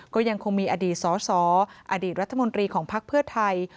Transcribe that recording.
ก็ยังคงมีอดีตสออดีตรัฐมนตรีของพักเพื่อไทย